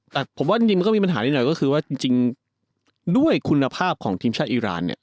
แต่ผมว่าจริงมันก็มีปัญหานิดหน่อยก็คือว่าจริงด้วยคุณภาพของทีมชาติอีรานเนี่ย